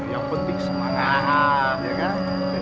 yang penting semangat ya kan